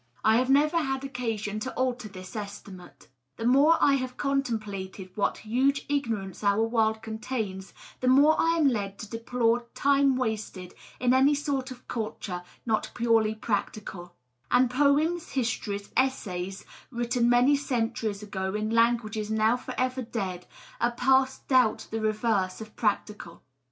I have never had occasion to alter this estimate. The more I have contemplated what huge igno rance our world contains, the more I am led to deplore time wasted in any sort of culture not purely practical ; and poems, histories, essays written many centuries ago in languages now forever dead, are past doubt the reverse of practical.